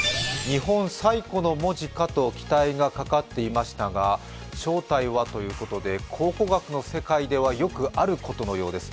日本最古の文字かと期待がかかっていましたが正体はということで、考古学の世界ではよくあることのようです。